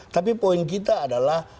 tapi poin kita adalah